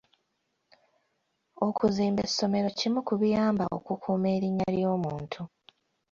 Okuzimba essomero kimu ku biyamba okukuuma erinnya ly'omuntu.